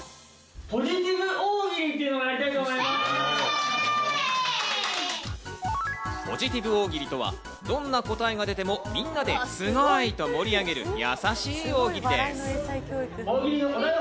ポジティブ大喜利とはどんな答えが出ても、みんなで「すごい！」と盛り上げるやさしい大喜利です。